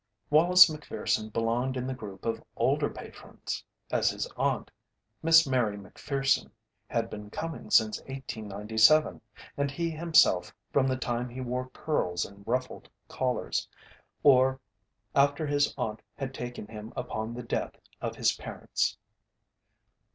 Wallace Macpherson belonged in the group of older patrons, as his aunt, Miss Mary Macpherson, had been coming since 1897, and he himself from the time he wore curls and ruffled collars, or after his aunt had taken him upon the death of his parents.